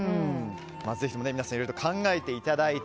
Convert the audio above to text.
ぜひとも皆さんいろいろ考えていただいて。